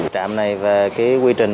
trạm này và quy trình